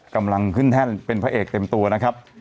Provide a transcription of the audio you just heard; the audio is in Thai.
กำลังขึ้นแท่นเป็นพระเอกเต็มตัวนะครับ